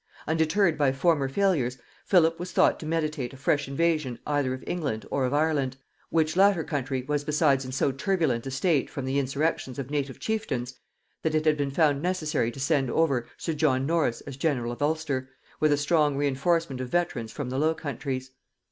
Undeterred by former failures, Philip was thought to meditate a fresh invasion either of England or of Ireland, which latter country was besides in so turbulent a state from the insurrections of native chieftains, that it had been found necessary to send over sir John Norris as general of Ulster, with a strong reinforcement of veterans from the Low Countries.